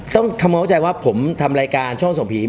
ต้องเข้าใจว่าผมทำรายการช่วงส่งผีไหม